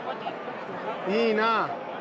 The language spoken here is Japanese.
いいな。